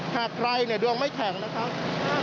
หากใครเนี่ยดวงไม่แข็งนะครับ